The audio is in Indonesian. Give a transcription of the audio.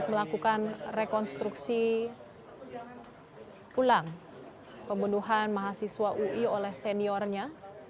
melakukan rekonstruksi pulang pembunuhan mahasiswa ui oleh seniornya